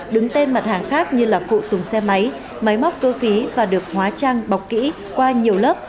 đứng tên mặt hàng khác như là phụ tùng xe máy máy móc cơ khí và được hóa trang bọc kỹ qua nhiều lớp